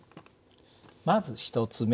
まず１つ目。